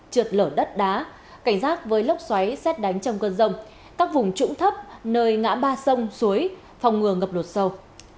trượt lở đất đá cảnh giác với lốc xoáy xét đánh trong cơn rông các vùng trũng thấp nơi ngã ba sông suối phòng ngừa ngập lụt sâu